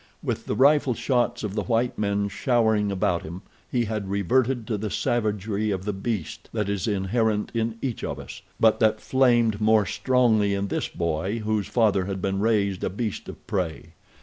With the rifle shots of the white men showering about him he had reverted to the savagery of the beast that is inherent in each of us, but that flamed more strongly in this boy whose father had been raised a beast of prey.